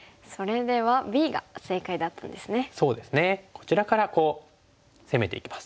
こちらからこう攻めていきます。